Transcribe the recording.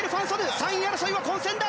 ３位争いは混戦だ。